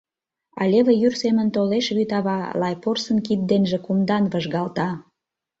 А леве йӱр семын толеш Вӱд Ава, Лай порсын кид денже кумдан выжгалта.